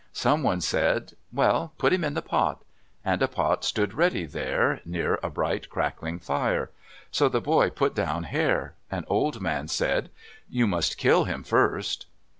Someone said, "Well, put him in the pot." And a pot stood ready there, near a bright, crackling fire. So the boy put down Hare. An old man said, "You must kill him first."